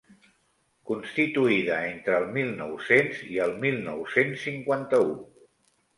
Constituïda entre el mil nou-cents i el mil nou-cents cinquanta-u.